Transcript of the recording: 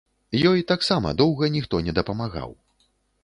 Ёй таксама доўга ніхто не дапамагаў.